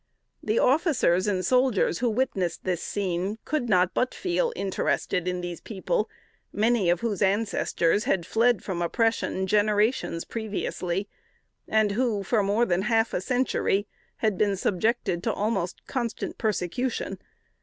The officers and soldiers who witnessed this scene could not but feel interested in these people, many of whose ancestors had fled from oppression generations previously, and who, for more than half a century, had been subjected to almost constant persecution.